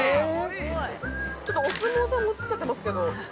ちょっとお相撲さんも写っちゃってますけど。